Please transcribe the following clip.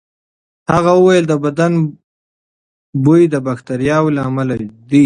هغه وویل د بدن بوی د باکتریاوو له امله دی.